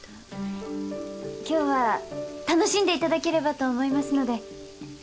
今日は楽しんでいただければと思いますので。